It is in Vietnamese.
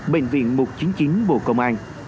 bệnh viện một trăm chín mươi chín bộ công an